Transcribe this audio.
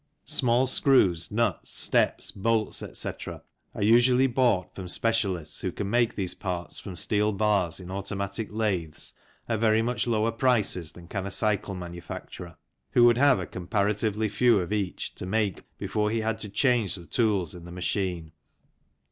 Small screws, nuts, steps, bolts, etc., are usually bought from specialists who can make these parts from steel bars in automatic lathes at very much lower prices than can a cycle manufacturer, who would have a comparatively few of each to make before he had to change the tools in the machine.